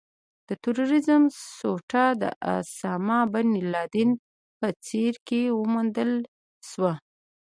د ترورېزم سوټه د اسامه بن لادن په څېره کې وموندل شوه.